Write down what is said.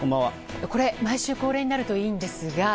これ、毎週恒例になるといいんですが。